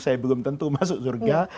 saya belum tentu masuk surga